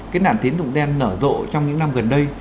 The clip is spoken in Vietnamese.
cái nạn tín dụng đen nở rộ trong những năm gần đây